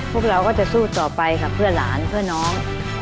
พวกเราก็จะสู้ต่อไปค่ะเพื่อหลานเพื่อน้อง